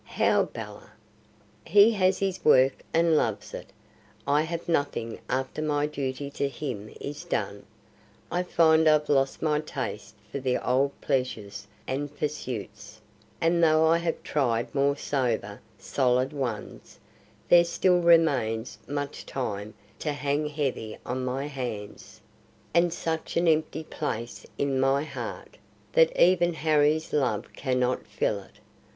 "How, Bella?" "He has his work and loves it: I have nothing after my duty to him is done. I find I've lost my taste for the old pleasures and pursuits, and though I have tried more sober, solid ones, there still remains much time to hang heavy on my hands, and such an empty place in my heart, that even Harry's love cannot fill it.